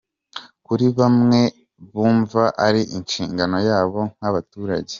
Kuri bamwe, bumva ari inshingano yabo nk'abaturage.